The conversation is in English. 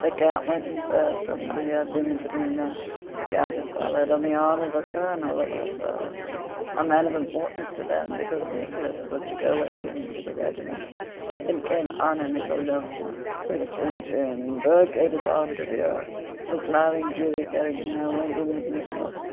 The count went in first with Márya Dmítrievna, the countess followed on the arm of a colonel of hussars, a man of importance to them because Nicholas was to go with him to the regiment; then came Anna Mikháylovna with Shinshín. Berg gave his arm to Véra. The smiling Julie Karágina went in with Nicholas.